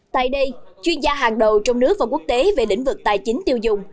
tại đây chuyên gia hàng đầu trong nước và quốc tế về lĩnh vực tài chính tiêu dùng